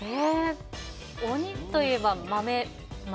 鬼いえば豆。